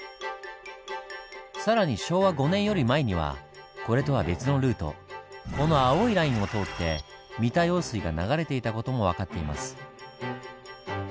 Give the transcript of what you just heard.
更に昭和５年より前にはこれとは別のルートこの青いラインを通って三田用水が流れていた事も分かっています。